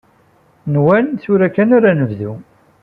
Nwan tura kan ara nebdu.